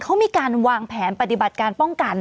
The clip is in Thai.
เขามีการวางแผนปฏิบัติการป้องกัน